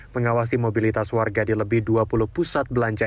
mengawasi mobilitas warga di lebih dua puluh pusat belanja